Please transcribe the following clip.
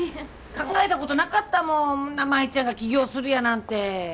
考えたことなかったもん舞ちゃんが起業するやなんて。